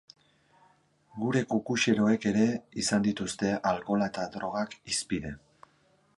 Gure kuxkuxeroek ere izan dituzte alkohola eta drogak hizpide.